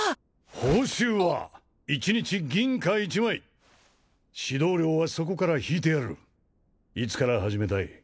報酬は１日銀貨１枚指導料はそこから引いてやるいつから始めたい？